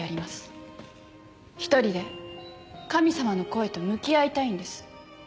１人で神様の声と向き合いたいんです。